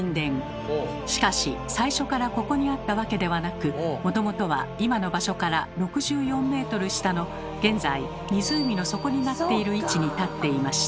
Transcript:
しかし最初からここにあったわけではなくもともとは今の場所から６４ｍ下の現在湖の底になっている位置に立っていました。